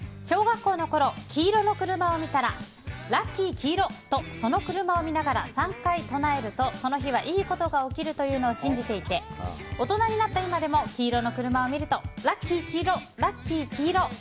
小学校のころ黄色の車を見たらラッキー黄色！とその車を見ながら３回、唱えるとその日はいいことが起きるというのを信じていて大人になった今でも黄色の車を見るとラッキー黄色！